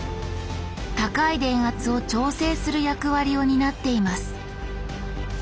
高い電圧を調整する役割を担っています。